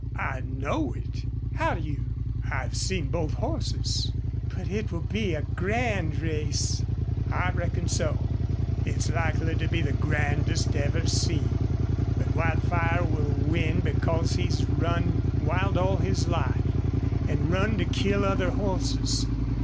"I know it." "How do you?" "I've seen both horses." "But it will be a grand race." "I reckon so. It's likely to be the grandest ever seen. But Wildfire will win because he's run wild all his life an' run to kill other horses....